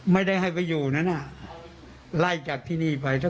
ไม่ได้ให้ไปอยู่นั้นน่ะไล่จากที่นี่ไป